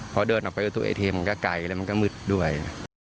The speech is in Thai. เพราะเดินออกไปที่โอตูเอเทมก็ไกลมันก็มืดด้วย